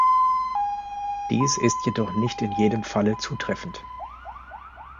Dies ist jedoch nicht in jedem Falle zutreffend.